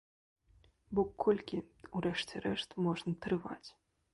Бо колькі ў рэшце рэшт можна трываць?